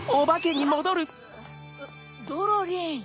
ドロリン！